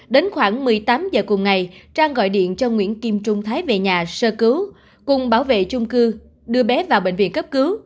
đến khoảng một mươi tám h cùng ngày trang gọi điện cho nguyễn kim trung thái về nhà sơ cứu cùng bảo vệ chung cư đưa bé vào bệnh viện cấp cứu